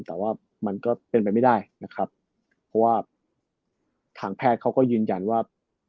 แต่ว่ามันก็เป็นไปไม่ได้นะครับเพราะว่าทางแพทย์เขาก็ยืนยันว่า